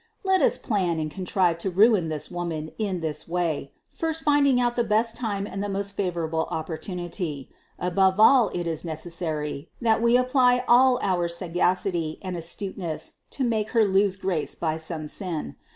Let us then plan and contrive the ruin of this Woman in this way, first finding out the best time and the most favorable opportunity. Above all it is necessary, that we apply all our sagacity and astuteness to make Her lose grace by some sin.